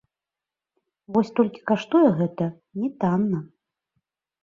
Вось толькі каштуе гэта не танна.